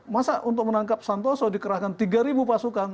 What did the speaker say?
masa untuk menangkap santoso dikerahkan tiga pasukan